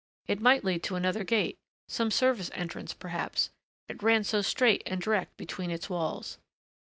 It might lead to another gate, some service entrance, perhaps, it ran so straight and direct between its walls.